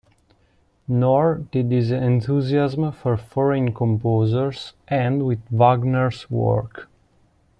Nor did his enthusiasm for foreign composers end with Wagner's work.